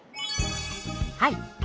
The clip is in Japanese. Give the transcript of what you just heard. はい。